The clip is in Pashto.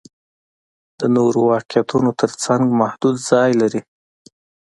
د نورو واقعیتونو تر څنګ محدود ځای لري.